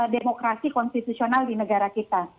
demokrasi konstitusional di negara kita